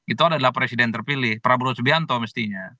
itu adalah presiden terpilih prabowo subianto mestinya